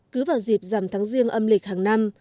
cứ vào dịp giảm tháng riêng âm lịch hàng năm